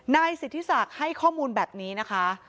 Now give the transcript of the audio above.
นายสิทธิศักดิ์ให้ข้อมูลแบบนี้นะคะ